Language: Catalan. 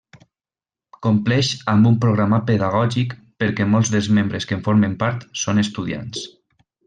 Compleix amb un programa pedagògic perquè molts dels membres que en formen part són estudiants.